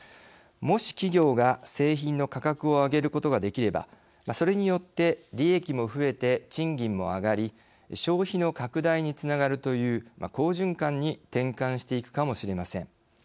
もし企業が製品の価格を上げることができればそれによって利益も増えて賃金も上がり消費の拡大につながるという好循環に転換していくかもしれません。